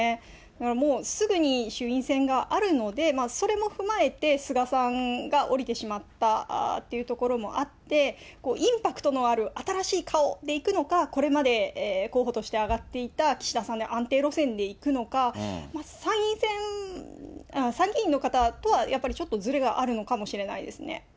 もうすぐに衆院選があるので、それも踏まえて、菅さんが降りてしまったというところもあって、インパクトのある新しい顔でいくのか、これまで候補として挙がっていた岸田さんで安定路線でいくのか、参議院の方とはやっぱりちょっとずれがあるのかもしれないですね。